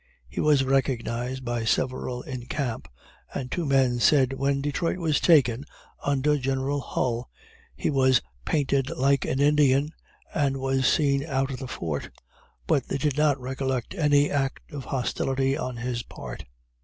He was recognized by several in camp, and two men said, "when Detroit was taken, under General Hull, he was painted like an Indian, and was seen out of the fort," but they did not recollect any act of hostility on his part.